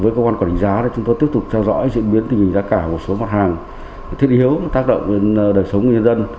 với cơ quan quản lý giá chúng tôi tiếp tục trao dõi diễn biến tình hình giá cả của một số mặt hàng thiết yếu tác động đời sống của nhân dân